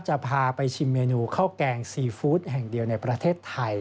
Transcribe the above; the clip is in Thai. จะพาไปชิมเมนูข้าวแกงซีฟู้ดแห่งเดียวในประเทศไทย